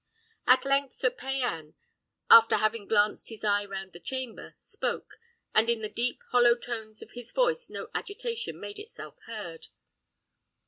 At length Sir Payan, after having glanced his eye round the chamber, spoke, and in the deep, hollow tones of his voice no agitation made itself heard.